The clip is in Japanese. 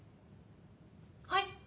はい！